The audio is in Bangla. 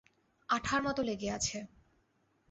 আঠার মতো লেগে আছে।